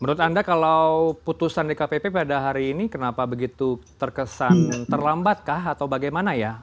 menurut anda kalau putusan dkpp pada hari ini kenapa begitu terkesan terlambat kah atau bagaimana ya